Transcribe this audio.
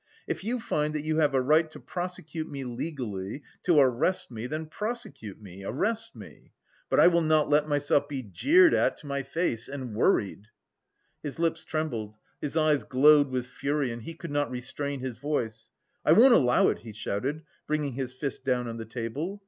If you find that you have a right to prosecute me legally, to arrest me, then prosecute me, arrest me. But I will not let myself be jeered at to my face and worried..." His lips trembled, his eyes glowed with fury and he could not restrain his voice. "I won't allow it!" he shouted, bringing his fist down on the table.